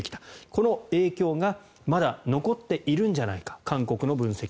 この影響がまだ残っているんじゃないかという韓国の分析。